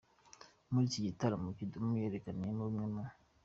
Ni muri iki gitaramo, Kidum yerekaniyemo bamwe mu.